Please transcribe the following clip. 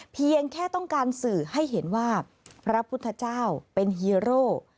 เพียงแค่ต้องการสื่อให้เห็นว่าพระพุทธเจ้าเป็นฮีโร่